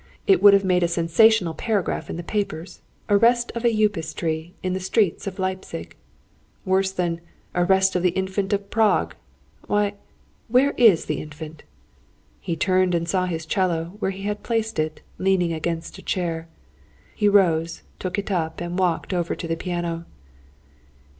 It would have made a sensational paragraph in the papers: 'Arrest of a Upas tree, in the streets of Leipzig!' Worse than 'Arrest of the Infant of Prague.' ... Why! Where is the Infant?" He turned and saw his 'cello, where he had placed it, leaning against a chair. He rose, took it up, and walked over to the piano.